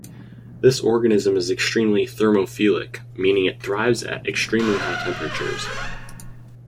This organism is extremely "thermophilic", meaning it thrives at extremely high temperatures.